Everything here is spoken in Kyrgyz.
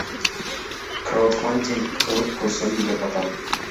Краудфандинг кылып көрсөмбү деп атам.